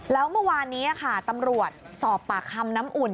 แล้วเมื่อวานนี้ค่ะตำรวจสอบปากคำน้ำอุ่น